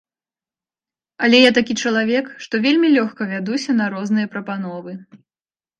Але я такі чалавек, што вельмі лёгка вядуся на розныя прапановы.